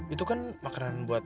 itu kan makanan buat